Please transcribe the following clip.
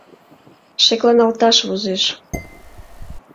Шекланалташ возеш.